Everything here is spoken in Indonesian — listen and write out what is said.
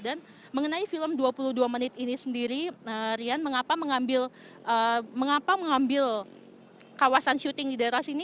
dan mengenai film dua puluh dua menit ini sendiri rian mengapa mengambil kawasan syuting di daerah sini